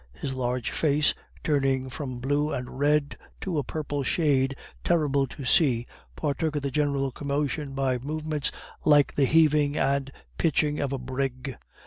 His large face, turning from blue and red to a purple shade terrible to see, partook of the general commotion by movements like the heaving and pitching of a brig.